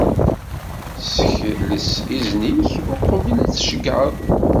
Sekles izen-ik uqbel ad t-tceggεeḍ.